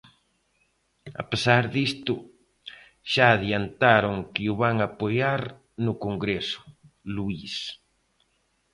A pesar disto, xa adiantaron que o van apoiar no Congreso, Luís...